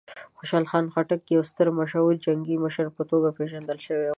خوشحال خان خټک د یوه ستر مشهوره جنګي مشر په توګه پېژندل شوی و.